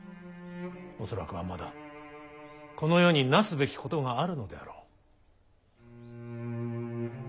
恐らくはまだこの世になすべきことがあるのであろう。